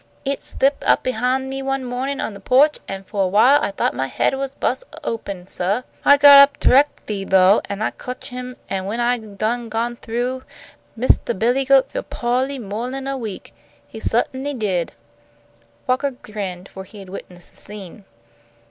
It slip up behine me one mawnin' on the poach, an' fo' awhile I thought my haid was buss open suah. I got up toreckly, though, an' I cotch him, and when I done got through, Mistah Billy goat feel po'ly moah'n a week. He sut'n'y did." Walker grinned, for he had witnessed the scene.